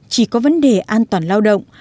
chỉ có vấn đề an toàn lao động